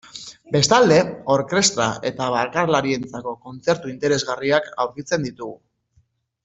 Bestalde, orkestra eta bakarlarientzako kontzertu interesgarriak aurkitzen ditugu.